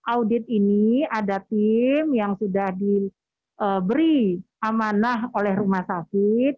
audit ini ada tim yang sudah diberi amanah oleh rumah sakit